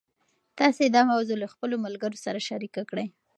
تاسي دا موضوع له خپلو ملګرو سره شریکه کړئ.